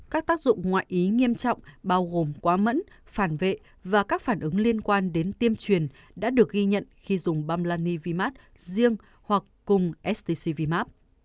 các tác dụng ngoại ý nghiêm trọng bao gồm quá mẫn phản vệ và các phản ứng liên quan đến tiêm truyền đã được ghi nhận khi dùng bamlanivimap riêng hoặc cùng stcvmap